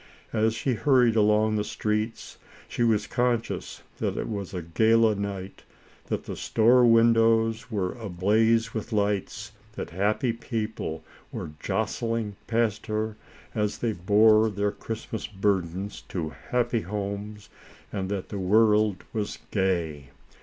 As she hurried along the streets, she was conscious that it was a gala night ; that the store windows were ablaze with lights, that happy people were jostling past her, as they bore their Christmas burdens to happy homes, and that the world was gay.